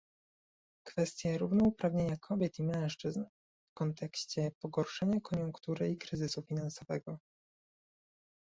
Kwestie równouprawnienia kobiet i mężczyzn w kontekście pogorszenia koniunktury i kryzysu finansowego